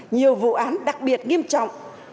nhiều vụ án đặc biệt nghiêm trọng